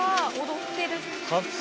踊ってる。